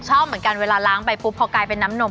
ชอบเหมือนกันเวลาล้างไปปุ๊บพอกลายเป็นน้ำนม